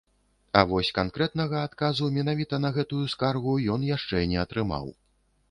А вось канкрэтнага адказу менавіта на гэтую скаргу ён яшчэ не атрымаў.